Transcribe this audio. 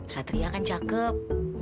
satria kan cakep